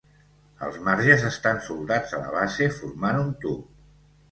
Els marges estan soldats a la base formant un tub.